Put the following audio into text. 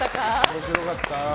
面白かった。